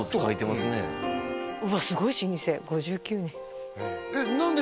すごい老舗５９年なんで